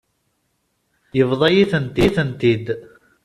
Yebḍa-yi-tent-id.